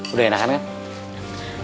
udah enakan kan